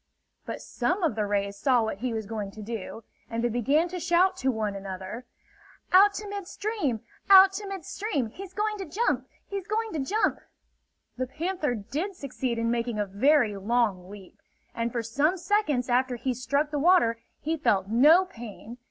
But some of the rays saw what he was going to do, and they began to shout to one another: "Out to mid stream! Out to mid stream! He's going to jump! He's going to jump!" The panther did succeed in making a very long leap, and for some seconds after he struck the water he felt no pain.